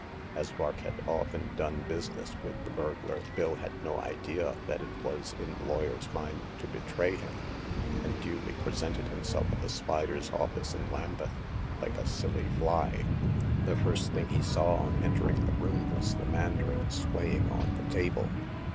As Vark had often done business with the bur 200 Hagar of the Pawn Shop. ■ glar, Bill had no idea that it was in the lawyer's mind to betray him, and duly presented himself at the spider's office in Lambeth, like a silly fly. The first thing he saw on entering the room was the mandarin swaying on the table.